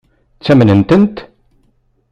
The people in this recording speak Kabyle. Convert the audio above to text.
Ttamnen-tent?